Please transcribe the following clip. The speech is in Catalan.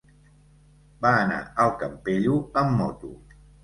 Va anar al Campello amb moto.